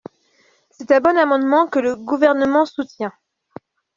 C’est un bon amendement, que le Gouvernement soutient.